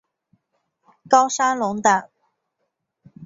高山龙胆